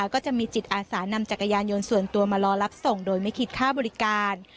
ก็จะมีจิตอาสานำจักรยานยนต์ส่วนตัวมารอรับส่งโดยไม่คิดค่าบริการ